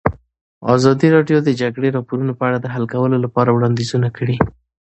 ازادي راډیو د د جګړې راپورونه په اړه د حل کولو لپاره وړاندیزونه کړي.